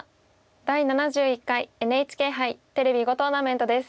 「第７１回ＮＨＫ杯テレビ囲碁トーナメント」です。